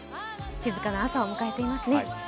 静かな朝を迎えていますね。